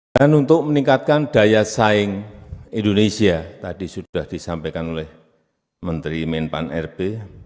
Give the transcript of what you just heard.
dan untuk meningkatkan daya saing indonesia tadi sudah disampaikan oleh menteri menpan rp